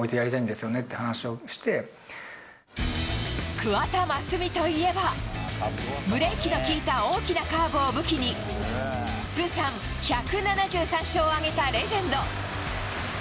桑田真澄といえばブレーキの効いた大きなカーブを武器に通算１７３勝を挙げたレジェンド。